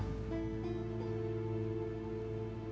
tapi bukan karena